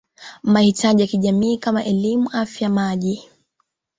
mahitaji ya kijamii kama elimu Afya Maji